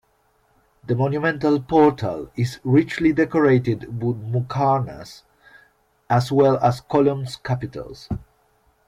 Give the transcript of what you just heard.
The monumental portal is richly decorated with muqarnas, as well as columns' capitels.